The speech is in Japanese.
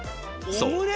そう！